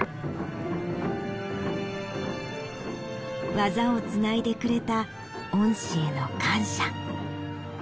技をつないでくれた恩師への感謝。